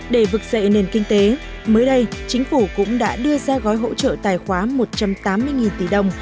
để vực dậy nền kinh tế mới đây chính phủ cũng đã đưa ra gói hỗ trợ tài khoá một trăm tám mươi tỷ đồng